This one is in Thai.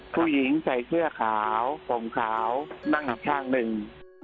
ผู้หญิงใส่เสื้อขาวผมขาวนั่งอีกข้างหนึ่ง